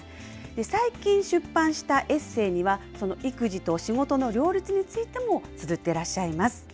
最近出版したエッセイには、その育児と仕事の両立についてもつづってらっしゃいます。